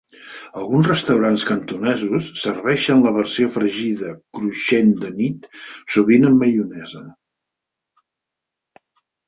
Alguns restaurants cantonesos serveixen la versió fregida cruixent de nit, sovint amb maionesa.